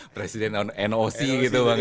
presiden noc gitu bang ya